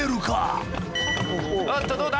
あっとどうだ？